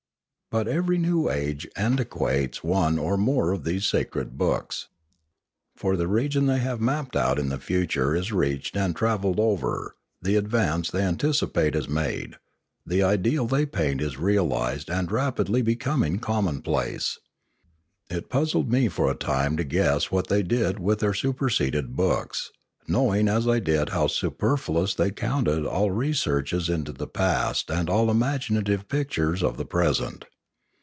But every new age antiquates one or more of these sacred books. For the region they have mapped out in the future is reached and travelled over, the advance they anticipate is made, the ideal they paint is realised and rapidly becoming commonplace. It puzzled me for a time to guess what they did with their superseded books, knowing as I did how superfluous they counted all researches into the past and all imaginative pictures of the present.